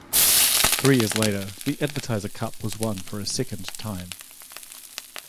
Three years later the Advertiser Cup was won for a second time.